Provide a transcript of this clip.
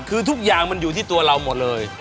คือทุกอย่างมันอยู่ที่ตัวเราหมดเลย